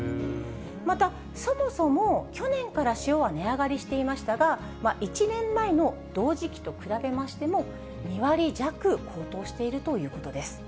また、そもそも去年から塩は値上がりしていましたが、１年前の同時期と比べましても、２割弱高騰しているということです。